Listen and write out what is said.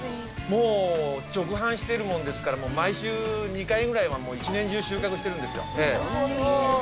もう直販してるものですから毎週２回ぐらいは１年中収穫してるんですよ。